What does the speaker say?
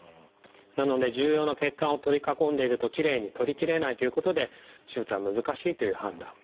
なので重要な血管を取り囲んでいるときれいに取りきれないということで手術は難しいという判断。